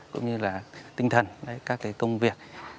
cũng như là tinh thần các công việc